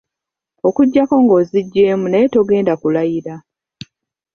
Okuggyako ng’oziggyeemu naye togenda kulayira.